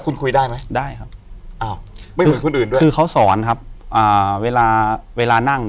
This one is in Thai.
อยู่ที่แม่ศรีวิรัยิลครับ